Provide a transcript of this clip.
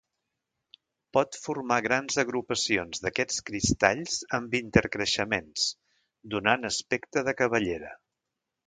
Pot formar grans agrupacions d'aquests cristalls amb intercreixements, donant aspecte de cabellera.